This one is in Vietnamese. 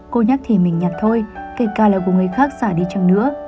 cô nhắc thì mình nhặt thôi kể cả là của người khác xả đi chẳng nữa